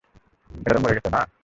এটা তো মরে গেছে, না?